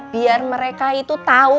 biar mereka itu tau